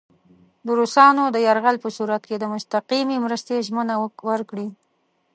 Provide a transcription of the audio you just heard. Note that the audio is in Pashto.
د روسانو د یرغل په صورت کې د مستقیمې مرستې ژمنه ورکړي.